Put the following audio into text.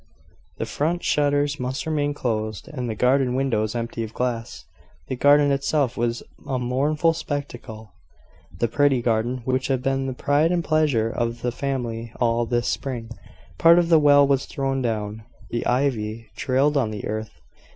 The front shutters must remain closed, and the garden windows empty of glass. The garden itself was a mournful spectacle, the pretty garden, which had been the pride and pleasure of the family all this spring; part of the wall was thrown down; the ivy trailed on the earth.